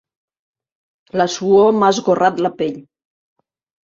La suor m'ha esgorrat la pell.